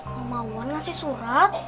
mau mauan ngasih surat